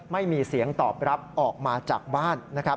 ไม่มีเสียงตอบรับออกมาจากบ้าน